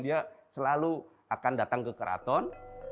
dia selalu akan datang ke keraton